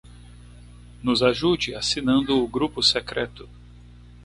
nos ajude assinando o grupo secreto